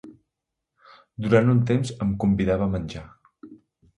Durant un temps em convidava a menjar.